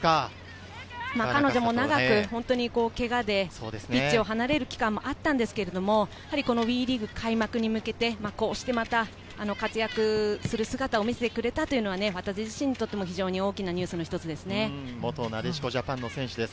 彼女も長くけがでピッチを離れる期間があったんですけれど、ＷＥリーグ開幕に向けて、こうしてまた活躍する姿を見せてくれたのは、大きなニュースの一つです。